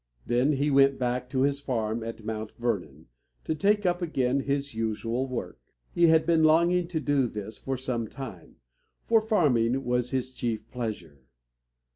Then he went back to his farm at Mount Vernon, to take up again his usual work. He had been longing to do this for some time, for farming was his chief pleasure.